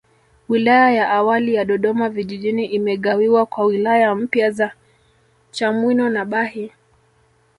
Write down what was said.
Wilaya ya awali ya Dodoma Vijijini imegawiwa kwa wilaya mpya za Chamwino na Bahi